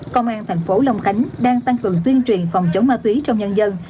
công an thành phố long khánh đang tăng cường tuyên truyền phòng chống ma túy trong nhân dân